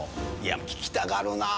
聞きたがるなぁ。